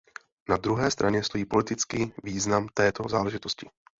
Na druhé straně stojí politický význam této záležitosti.